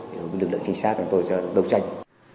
được lượng chính xác của tôi cho đấu tranh